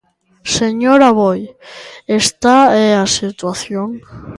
Señor Aboi, esta é a situación.